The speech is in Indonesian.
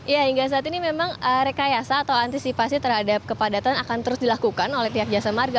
ya hingga saat ini memang rekayasa atau antisipasi terhadap kepadatan akan terus dilakukan oleh pihak jasa marga